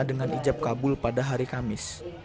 dengan ijab kabul pada hari kamis